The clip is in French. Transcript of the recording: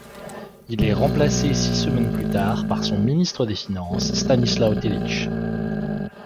Il est remplacé six semaines plus tard par son ministre des Finances, Stanislaw Tillich.